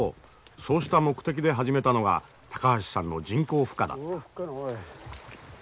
そうした目的で始めたのが高橋さんの人工孵化だった。